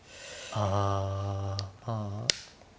ああ